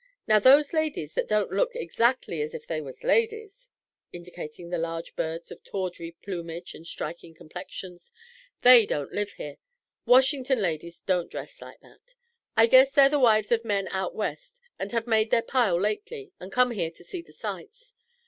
Now, those ladies that don't look exactly as if they was ladies," indicating the large birds of tawdry plumage and striking complexions, "they don't live here. Washington ladies don't dress like that. I guess they're the wives of men out West that have made their pile lately and come here to see the sights.